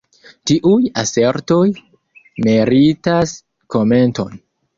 Tiuj asertoj meritas komenton.